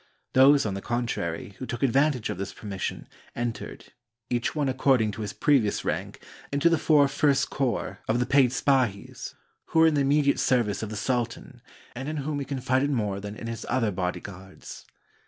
Those, on the contrary, who took advantage of this permission, entered, each one according to his previous rank, into the four first corps 493 TURKEY of the paid spahis, who were in the immediate service of the sultan, and in whom he confided more than in his other bodyguards.